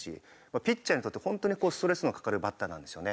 ピッチャーにとってホントにストレスのかかるバッターなんですよね。